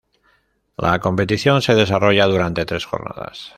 La competición se desarrolla durante tres jornadas.